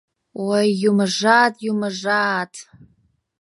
«...Ой, Юмыжат, Юмыжат!..